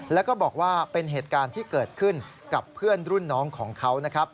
แล้วก็บอกว่าเป็นเหตุการณ์ที่เกิดขึ้นกับเพื่อนรุ่นน้องของเขานะครับ